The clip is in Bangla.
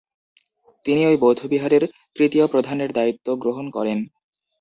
তিনি ঐ বৌদ্ধবিহারের তৃতীয় প্রধানের দায়িত্বগ্রহণ করেন।